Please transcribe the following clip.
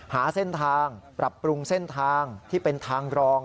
หาเส้นทางปรับปรุงเส้นทางที่เป็นทางรอง